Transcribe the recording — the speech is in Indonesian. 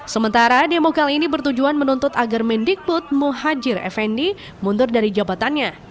sementara demo kali ini bertujuan menuntut agar mendikbud muhajir effendi mundur dari jabatannya